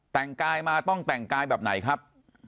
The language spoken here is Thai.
แต่งกายมาต้องแต่งกายแบบไหนครับ